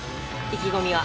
意気込みは。